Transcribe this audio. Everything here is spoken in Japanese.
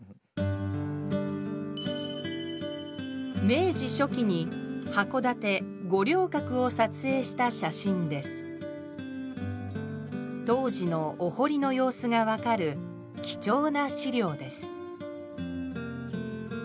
明治初期に函館五稜郭を撮影した写真です当時のお堀の様子が分かる貴重な資料です